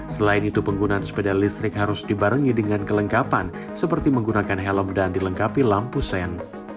selain itu penggunaan sepeda listrik harus dibarengi dengan kelengkapan seperti menggunakan helm dan dilengkapi lampu sen